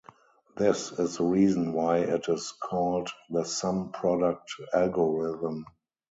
This is the reason why it is called the sum-product algorithm.